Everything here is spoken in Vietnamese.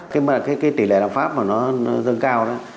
khi mà cái tỷ lệ lãm pháp mà nó dâng cao đó